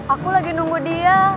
aku lagi nunggu dia